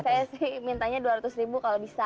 saya sih mintanya dua ratus ribu kalau bisa